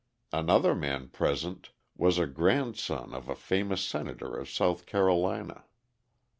Another man present was a grandson of a famous senator of South Carolina.